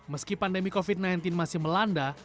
meski pandemi covid sembilan belas masih melanda